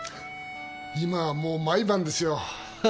今はもう毎晩ですよ。